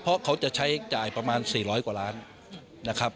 เพราะเขาจะใช้จ่ายประมาณสี่ร้อยกว่าร้านบาทนะครับ